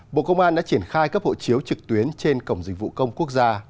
bộ công an đã triển khai cấp hộ chiếu trực tuyến trên cổng dịch vụ công quốc gia